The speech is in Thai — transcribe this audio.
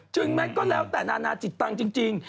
แม้ก็แล้วแต่นานาจิตตังค์จริง